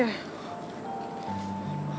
pasti ada jalan sih